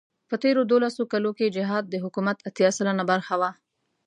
په تېرو دولسو کالو کې جهاد د حکومت اتيا سلنه برخه وه.